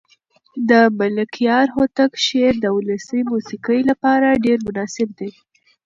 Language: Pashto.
د ملکیار هوتک شعر د ولسي موسیقۍ لپاره ډېر مناسب دی.